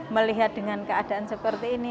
melihat dengan keadaan seperti ini